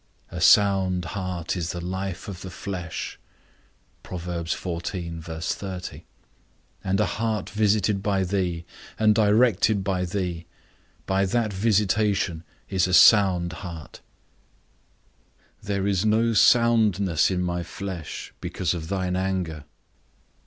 A sound heart is the life of the flesh; and a heart visited by thee, and directed to thee, by that visitation is a sound heart. _There is no soundness in my flesh, because of thine anger.